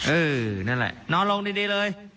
เออนั่นแหละนอนลงดีเลย